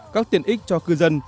các tiện ích cho cư dân